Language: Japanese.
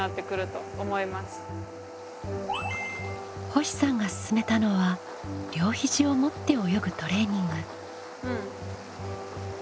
星さんが勧めたのは両肘を持って泳ぐトレーニング。